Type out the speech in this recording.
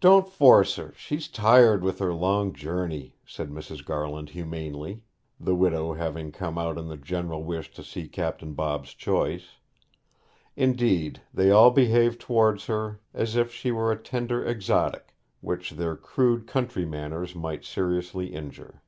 'Don't force her; she's tired with her long journey,' said Mrs. Garland humanely, the widow having come out in the general wish to see Captain Bob's choice. Indeed, they all behaved towards her as if she were a tender exotic, which their crude country manners might seriously injure.